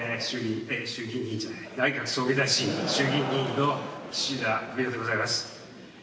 内閣総理大臣衆議院議員の岸田文雄でございます。